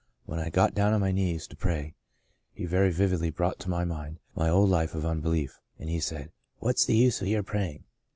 When I got down on my knees to pray, he very vividly brought to my mind my old life of unbelief, and he said, * What's the use of your praying